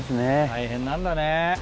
大変なんだね。